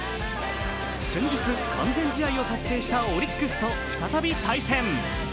先日、完全試合を達成したオリックスと再び対戦。